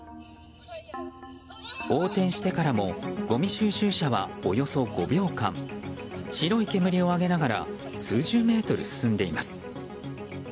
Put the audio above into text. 横転してからもごみ収集車はおよそ５秒間白い煙を上げながら数十メートル進んでいます。